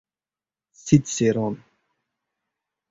Sitseron